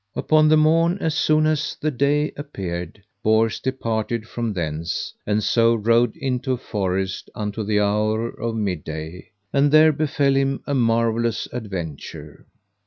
Upon the morn, as soon as the day appeared, Bors departed from thence, and so rode into a forest unto the hour of midday, and there befell him a marvellous adventure.